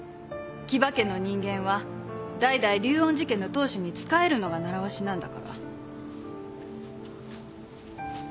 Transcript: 木場家の人間は代々竜恩寺家の当主に仕えるのが習わしなんだから